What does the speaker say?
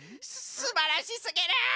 すばらしすぎる！